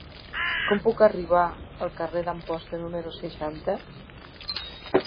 Com puc arribar al carrer d'Amposta número seixanta?